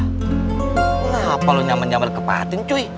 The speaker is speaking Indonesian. kenapa lo nyaman nyaman ke patin cuy